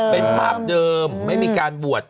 เป็นภาพเดิมไม่มีการบวช